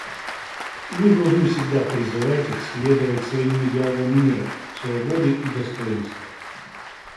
Мы должны всегда призывать их следовать своим идеалам мира, свободы и достоинства.